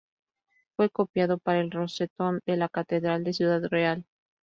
Fue copiado para el rosetón de la Catedral de Ciudad Real.